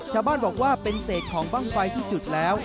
ชาวบ้านบอกว่าเป็นเศษของบ้างไฟที่จุดแล้ว